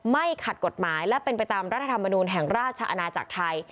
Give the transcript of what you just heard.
ไม่ขัดกฎหมายและเป็นไปตามรัฐธรรมนูลแห่งราชอาณาจักรไทย